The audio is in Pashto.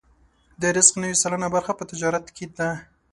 د رزق نوې سلنه برخه په تجارت کې ده.